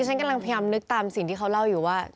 ฉันกำลังพยายามนึกตามสิ่งที่เขาเล่าอยู่ว่า